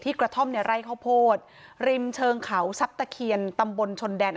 ที่กระท่อมในไร้ข้าวโพธิ์ริมเชิงเขาซับตะเคียนตำบลชนแดน